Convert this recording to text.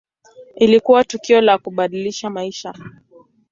Ilikuwa tukio la kubadilisha maisha.